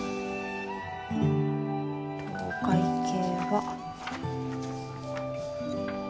お会計が。